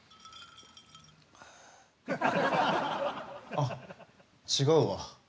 あっ違うわ。